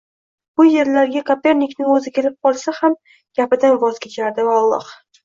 Bu yerlarga Kopernikning o’zi kelib qolsa ham gapidan voz kechardi, voolloh!